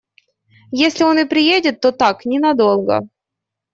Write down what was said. Если он и приедет, то так ненадолго.